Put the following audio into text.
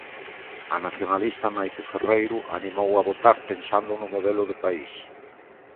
A nacionalista Maite Ferreiro animou a votar pensando no modelo de pais.